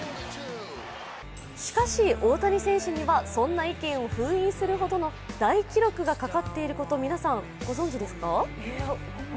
しかし、大谷選手にはそんな意見を封印するほどの大記録がかかっていること皆さんご存じですか？